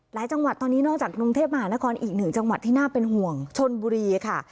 จังหวัดตอนนี้นอกจากกรุงเทพมหานครอีกหนึ่งจังหวัดที่น่าเป็นห่วงชนบุรีค่ะ